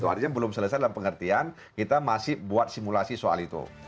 artinya belum selesai dalam pengertian kita masih buat simulasi soal itu